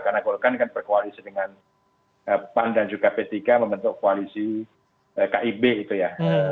karena golkar kan berkoalisi dengan pan dan juga ptk membentuk koalisi kib itu ya